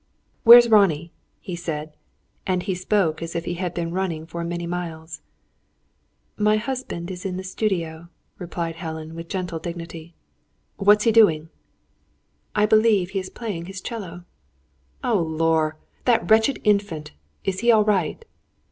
"Where's Ronnie?" he said, and he spoke as if he had been running for many miles. "My husband is in the studio," replied Helen, with gentle dignity. "What's he doing?" "I believe he is playing his 'cello." "Oh, lor! That wretched Infant! Is he all right?"